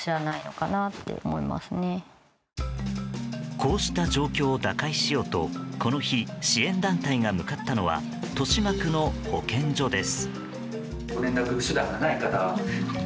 こうした状況を打開しようとこの日支援団体が向かったのは豊島区の保健所です。